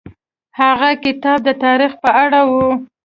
هغه کتاب د تاریخ په اړه و.